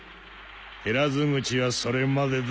減らず口はそれまでだ。